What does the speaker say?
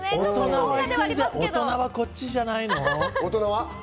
大人はこっちじゃないの？